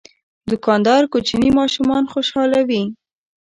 دوکاندار کوچني ماشومان خوشحالوي.